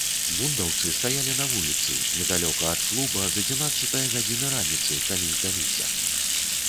Бундаўцы стаялі на вуліцы, недалёка ад клуба, з адзінаццатае гадзіны раніцы, калі здаліся.